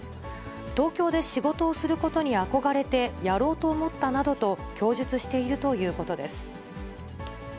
東京で仕事をすることに憧れてやろうと思ったなどと供述しているということです。